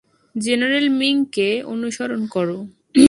General মিংকে অনুসরণ করো!